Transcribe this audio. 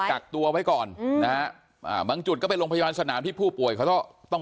กักตัวไว้ก่อนอืมนะฮะอ่าบางจุดก็เป็นโรงพยาบาลสนามที่ผู้ป่วยเขาก็ต้อง